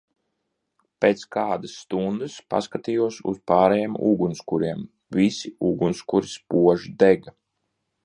Pēc kādas stundas paskatījos uz pārējiem ugunskuriem, visi ugunskuri spoži dega.